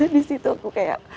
disitu aku kayak